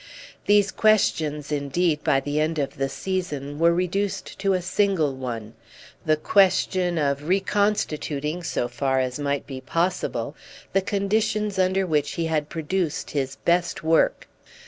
These question indeed, by the end of the season, were reduced to a single one—the question of reconstituting so far as might be possible the conditions under which he had produced his best work.